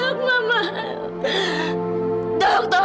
dok tolong dok bantu mama